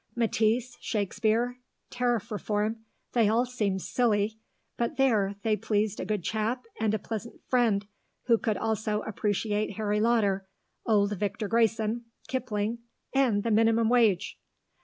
Matisse, Shakespeare, Tariff Reform, they all seemed silly, but there, they pleased a good chap and a pleasant friend, who could also appreciate Harry Lauder, old Victor Grayson, Kipling, and the Minimum Wage.